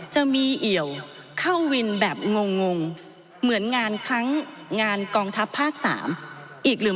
จะมีเหี่ยวเข้าวินแบบงงเหมือนงานครั้งงานกองทัพภาค๓อีกหรือ